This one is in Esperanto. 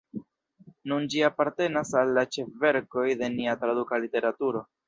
Nun ĝi apartenas al la ĉefverkoj de nia traduka literaturo.